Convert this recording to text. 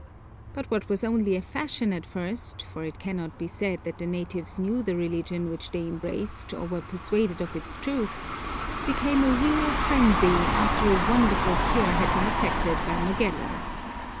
But what was only a fashion at first, for it cannot be said that the natives knew the religion which they embraced or were persuaded of its truth, became a real frenzy, after a wonderful cure had been effected by Magellan.